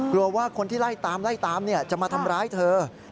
กลัวว่าคนที่ไล่ตามจะมาทำร้ายเธอ